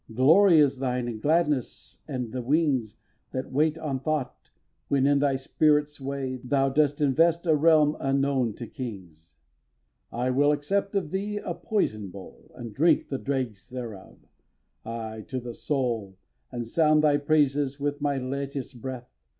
Glory is thine and gladness and the wings That wait on thought when, in thy spirit sway, Thou dost invest a realm unknown to kings. x. I will accept of thee a poison bowl And drink the dregs thereof, aye! to the soul, And sound thy praises with my latest breath!